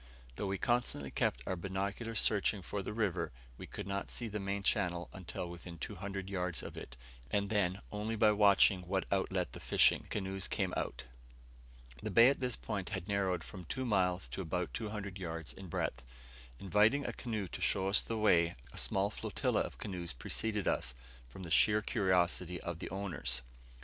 Though we constantly kept our binocular searching for the river, we could not see the main channel until within 200 yards of it, and then only by watching by what outlet the fishing; canoes came out. The bay at this point had narrowed from two miles to about 200 yards in breadth. Inviting a canoe to show us the way, a small flotilla of canoes preceded us, from the sheer curiosity of their owners.